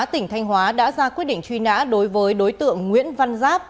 tỉnh thanh hóa đã ra quyết định truy nã đối với đối tượng nguyễn văn giáp